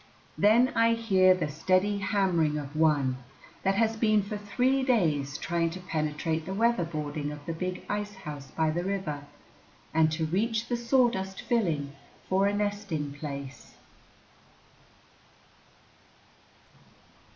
Then I hear the steady hammering of one that has been for three days trying to penetrate the weather boarding of the big icehouse by the river, and to reach the sawdust filling for a nesting place.